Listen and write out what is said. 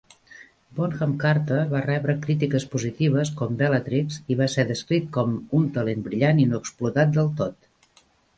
Bonham Carter va rebre crítiques positives com Bellatrix i va ser descrit com "un talent brillant i no explotat del tot".